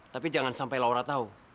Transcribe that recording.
tapi jangan sampai laura tahu